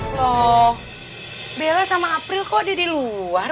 loh bella sama april kok ada di luar